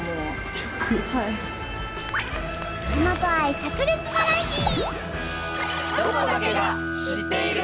地元愛さく裂バラエティー！